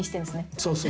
そうそう。